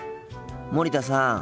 森田さん。